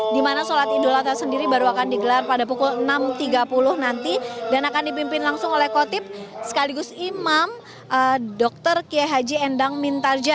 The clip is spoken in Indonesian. dimana sholat idul adha sendiri baru akan digelar pada pukul enam tiga puluh nanti dan akan dipimpin langsung oleh kotip sekaligus imam dr kiai haji endang mintarja